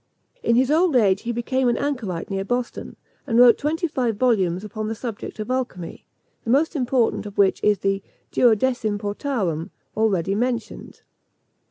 In his old age he became an anchorite near Boston, and wrote twenty five volumes upon the subject of alchymy, the most important of which is the Duodecim Portarum already mentioned.